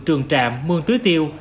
trường trạm mương tứ tiêu